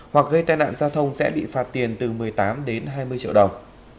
hoặc gây tai nạn giao thông sẽ bị phạt tiền từ một mươi tám đến hai mươi triệu đồng